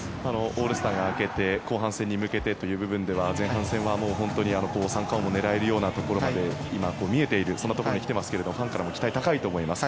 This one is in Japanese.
オールスターが明けて後半戦に向けてという部分では前半戦は３冠王も狙えるようなところまで今、見えているそんなところに来ていますがファンからも期待が高いと思います。